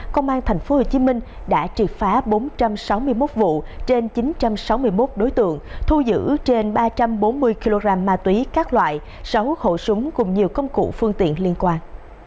công an tp hcm đã triệt phá bốn trăm sáu mươi một vụ trên chín trăm sáu mươi một đối tượng thu giữ trên ba trăm bốn mươi kg ma túy các loại sáu khẩu súng cùng nhiều công cụ phương tiện liên quan